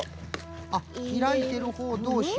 あっひらいてるほうどうしを。